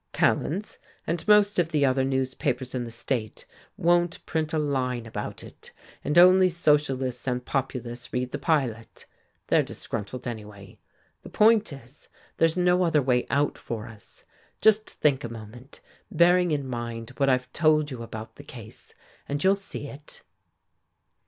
Tallant's, and most of the other newspapers in the state, won't print a line about it, and only Socialists and Populists read the Pilot. They're disgruntled anyway. The point is, there's no other way out for us. Just think a moment, bearing in mind what I've told you about the case, and you'll see it."